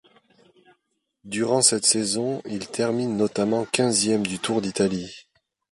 Durant cette saison, il termine notamment quinzième du Tour d'Italie.